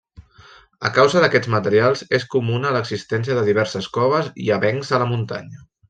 A causa d'aquests materials, és comuna l'existència de diverses coves i avencs a la muntanya.